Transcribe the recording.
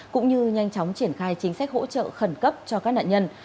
cũng như nhanh chóng triển khai chính sách hỗ trợ khẩn cấp cho các nạn nhân